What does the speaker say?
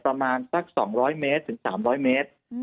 ประมาณสัก๒๐๐เมตรถึง๓๐๐เมตร